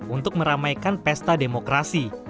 untuk meramaikan pesta demokrasi